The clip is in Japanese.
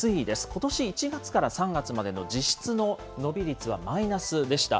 ことし１月から３月までの実質の伸び率はマイナスでした。